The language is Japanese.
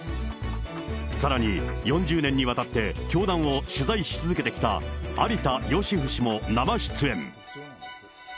さらに４０年にわたって教団を取材し続けてきた有田芳生氏も生出演。